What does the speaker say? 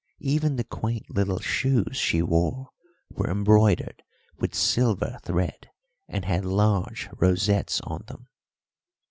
Even the quaint little shoes she wore were embroidered with silver thread and had large rosettes on them.